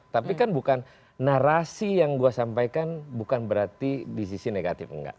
tapi kan bukan narasi yang gue sampaikan bukan berarti di sisi negatif enggak